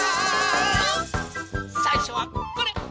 さいしょはこれ。